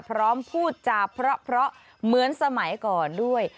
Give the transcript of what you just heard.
พูดจาเพราะเหมือนสมัยก่อนด้วย